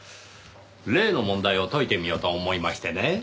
例の問題を解いてみようと思いましてね。